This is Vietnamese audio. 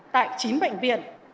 tại chín bệnh viện